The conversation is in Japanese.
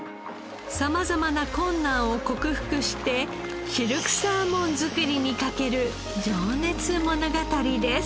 様々な困難を克服してシルクサーモン作りに懸ける情熱物語です。